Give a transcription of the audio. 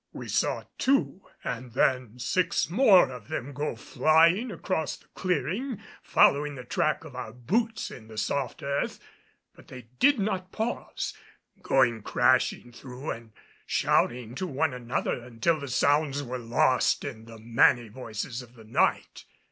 We saw two, and then six more, of them go flying across the clearing, following the track of our boots in the soft earth; but they did not pause, going crashing through and shouting to one another until the sounds were lost in the many voices of the night.